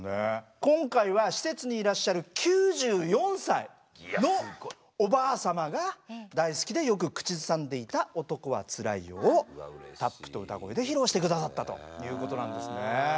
今回は施設にいらっしゃる９４歳のおばあ様が大好きでよく口ずさんでいた「男はつらいよ」をタップと歌声で披露して下さったということなんですね。